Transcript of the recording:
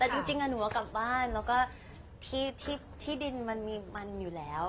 แต่จริงหนูเอากลับบ้านแล้วก็ที่ดินมันมีมันอยู่แล้ว